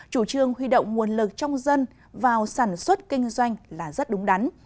chủ trương huy động nguồn lực trong dân vào sản xuất kinh doanh là rất đúng đắn